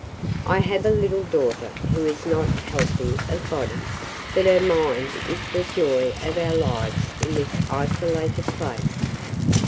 "I have a little daughter, who is not healthy of body, but her mind is the joy of our lives in this isolated place.